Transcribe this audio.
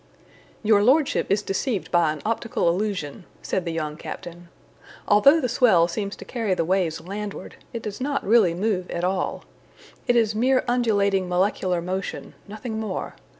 "Your Lordship is deceived by an optical illusion," said the young captain. "Although the swell seems to carry the waves landward, it does not really move at all. It is mere undulating molecular motion, nothing more.